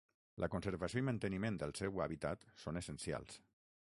La conservació i manteniment del seu hàbitat són essencials.